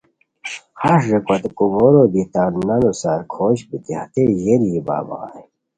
ہݰ ریکو ہتے کومورو دی تان نانو سار کھوشت بیتی ہتئے ژیری ژیباؤ بغائے